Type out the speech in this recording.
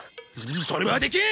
それはできん！